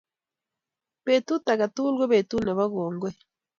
Petut age tugul ko petut nebo kongoi